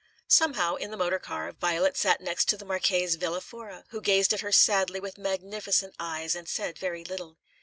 Somehow, in the motor car, Violet sat next to the Marchese Villa Fora, who gazed at her sadly with magnificent eyes and said very little.